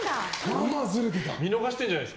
まあまあずれてた。